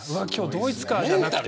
ドイツか、じゃなくて。